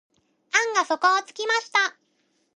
案が底をつきました。